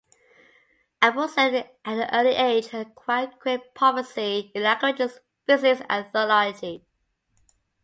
Abauzit at an early age acquired great proficiency in languages, physics, and theology.